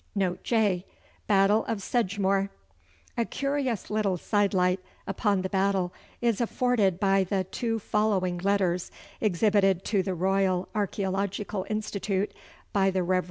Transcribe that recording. Note J. Battle of Sedgemoor. A curious little sidelight upon the battle is afforded by the two following letters exhibited to the Royal Archaeological Institute by the Rev. C.